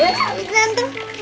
oh gitu enak